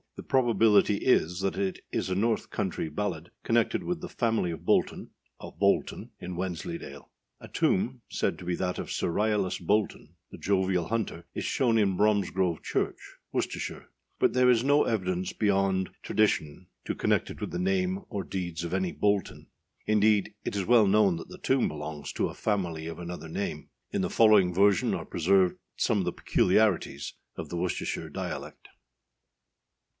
The probability is that it is a north country ballad connected with the family of Bolton, of Bolton, in Wensleydale. A tomb, said to be that of Sir Ryalas Bolton, the Jovial Hunter, is shown in Bromsgrove church, Worcestershire; but there is no evidence beyond tradition to connect it with the name or deeds of any âBolton;â indeed it is well known that the tomb belongs to a family of another name. In the following version are preserved some of the peculiarities of the Worcestershire dialect.